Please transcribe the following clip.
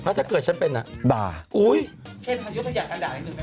แล้วถ้าเกิดชั้นเป็นอุ๊ยเช่น๑๒๓อยากด่ายอีกนึงนะคะ